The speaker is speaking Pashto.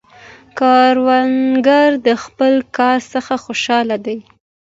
کروندګر د خپل کار څخه خوشحال دی